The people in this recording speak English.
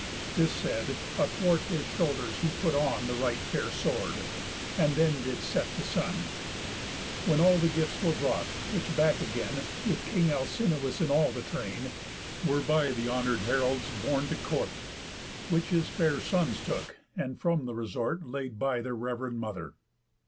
This said, athwart his shoulders he put on The right fair sword; and then did set the sun. When all the gifts were brought, which back again (With king Alcinous in all the train) Were by the honour'd heralds borne to court; Which his fair sons took, and from the resort Laid by their rev'rend mother.